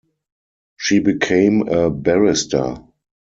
She became a barrister.